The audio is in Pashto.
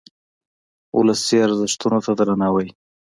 ولسي ارزښتونو ته درناوی.